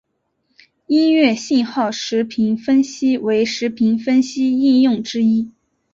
音乐信号时频分析为时频分析应用之一。